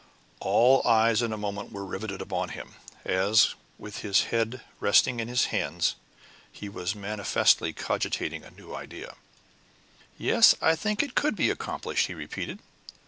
All eyes in a moment were riveted upon him, as, with his head resting on his hands, he was manifestly cogitating a new idea. "Yes, I think it could be accomplished," he repeated.